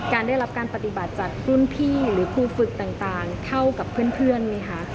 ได้รับการปฏิบัติจากรุ่นพี่หรือครูฝึกต่างเท่ากับเพื่อนไหมคะ